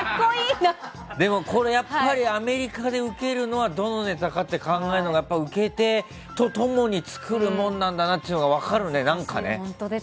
でも、やっぱりアメリカでウケるのはどのネタかって考えるのが受け手と共に作るものって分かるね、何か。